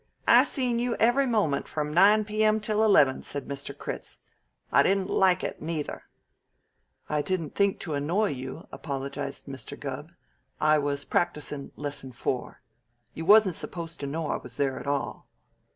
"I seen you every moment from nine P.M. till eleven!" said Mr. Critz. "I didn't like it, neither." "I didn't think to annoy you," apologized Mr. Gubb. "I was practicin' Lesson Four. You wasn't supposed to know I was there at all."